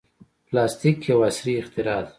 پلاستيک یو عصري اختراع ده.